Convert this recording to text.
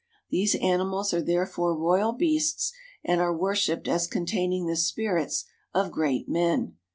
These animals are therefore royal beasts and are worshiped as containing the spirits of great men.